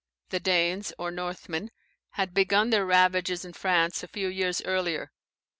The Danes, or Northmen, had begun their ravages in France a few years earlier.